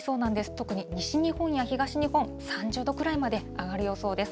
特に西日本や東日本、３０度くらいまで上がる予想です。